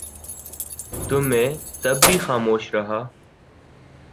تو میں تب بھی خاموش رہا